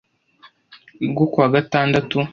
rwo ku wa gatandatu